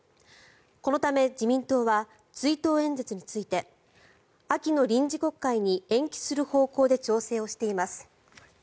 このため、自民党は追悼演説について秋の臨時国会に延期する方向で調整をしています。